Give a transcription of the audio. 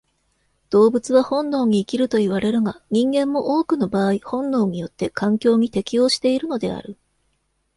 動物は本能に生きるといわれるが、人間も多くの場合本能によって環境に適応しているのである。